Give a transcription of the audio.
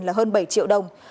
là hơn bảy triệu đồng